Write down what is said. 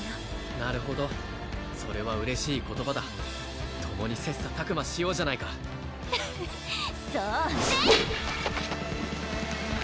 なるほどそれは嬉しい言葉だともに切磋琢磨しようじゃないかフフッそうね！